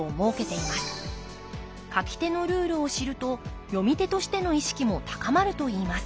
書き手のルールを知ると読み手としての意識も高まるといいます